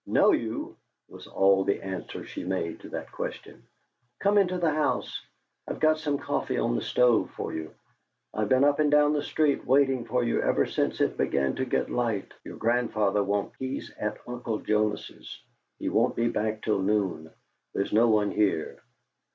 "Know you!" was all the answer she made to that question. "Come into the house. I've got some coffee on the stove for you. I've been up and down the street waiting for you ever since it began to get light." "Your grandfather won't " "He's at Uncle Jonas's; he won't be back till noon. There's no one here."